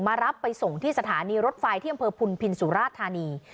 รับไปส่งที่สถานีรถไฟที่อำเภอพุนพินสุราธานี